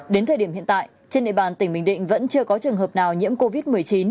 đến thời điểm hiện tại trên địa bàn tỉnh bình định vẫn chưa có trường hợp nào nhiễm covid một mươi chín